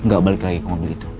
gak balik lagi ke mobil itu